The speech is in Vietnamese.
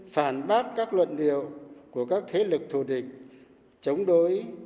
phản bác các luận điệu của các thế lực thù địch chống đối